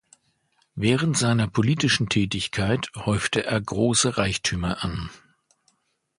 Während seiner politischen Tätigkeit häufte er große Reichtümer an.